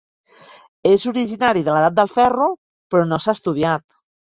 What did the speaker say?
És originari de l'edat del ferro, però no s'ha estudiat.